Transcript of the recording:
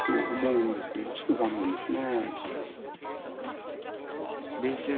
ちょっと残念ですね。